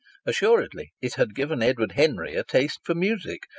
Assuredly it had given Edward Henry a taste for music.